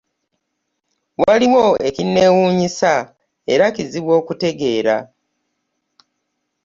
Waliwo ekinneewuunyisa era kizibu okutegeera.